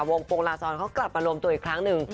วงโปรงลาซอนเขากลับมารวมตัวอีกครั้งหนึ่ง